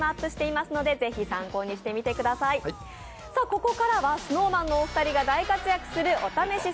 ここからはＳｎｏｗＭａｎのお二人が大活躍する「お試しＳｎｏｗＭａｎ！」